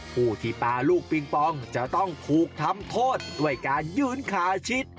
ผู้ที่ปลาลูกปิงปองจะต้องถูกทำโทษด้วยการยืนขาชิด